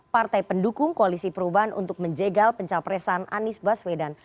partai pendukung koalisi perubahan untuk menjegal pencapresan anies baswedan